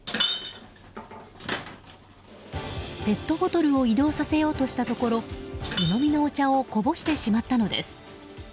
ペットボトルを移動させようとしたところ湯飲みのお茶をこぼしてしまったのです。